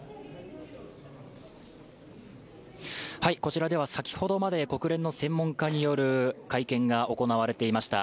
こちらでは先ほどまで国連の専門家による会見が行われていました。